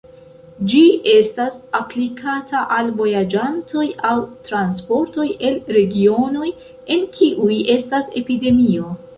Ĝi estas aplikata al vojaĝantoj aŭ transportoj el regionoj, en kiuj estas epidemio.